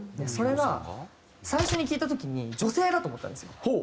それが最初に聴いた時に女性だと思ったんですよ。